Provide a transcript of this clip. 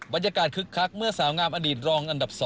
บรรยากาศคึกคักเมื่อสาวงามอดีตรองอันดับ๒